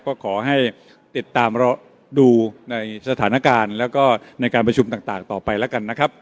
ก็ขอให้ติดตามดูในสถานการณ์แล้วก็ในการประชุมต่างต่อไปแล้วกันนะครับ